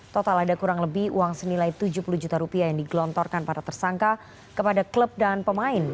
total ada kurang lebih uang senilai tujuh puluh juta rupiah yang digelontorkan para tersangka kepada klub dan pemain